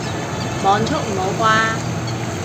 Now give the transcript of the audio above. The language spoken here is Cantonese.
網速唔好啩